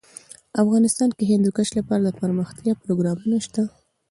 افغانستان کې د هندوکش لپاره دپرمختیا پروګرامونه شته.